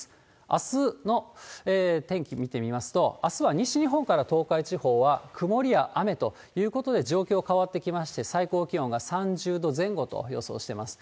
あすの天気見てみますと、あすは西日本から東海地方は曇りや雨ということで状況変わってきまして、最高気温が３０度前後と予想してます。